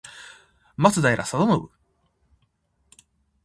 松平定信